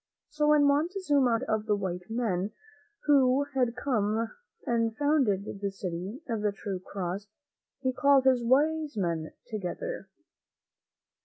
So when Montezuma heard of the white men, who had come and founded the City of the True Cross, he called his wise men together.